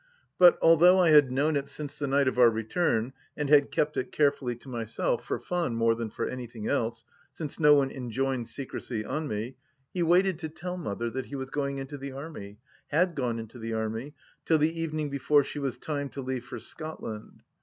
But although I had known it since the night of our return, and had kept it carefully to myself, for fun more than for anything else, since no one enjoined secrecy on me, he waited to tell Mother that he was going into the Army — ^had gone into the Army — ^till the evening before she was timed to leave for Scotland.